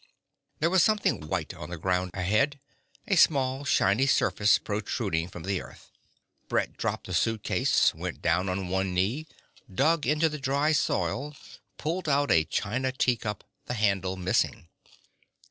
There was something white on the ground ahead, a small shiny surface protruding from the earth. Brett dropped the suitcase, went down on one knee, dug into the dry soil, pulled out a china teacup, the handle missing.